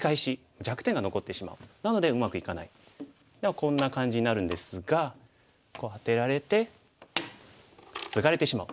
こんな感じになるんですがこうアテられてツガれてしまう。